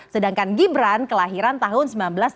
sedangkan gibran kelahiran tahun seribu sembilan ratus delapan puluh